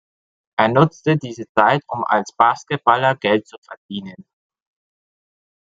Er nutzte diese Zeit, um als Basketballer Geld zu verdienen.